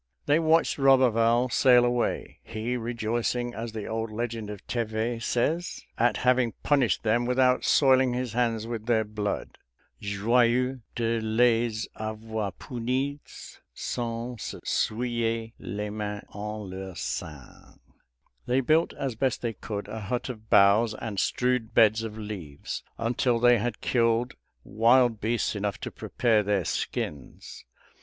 They watched Roberval sail away, he rejoicing, as the old legend of Thevet says, at having punished them without soiling his hands with their blood (ioueux de les auior puniz sans se souiller les mains en leurs sang). They built as best they could a hut of boughs and strewed beds of leaves, until they had killed wild beasts enough to prepare their skins.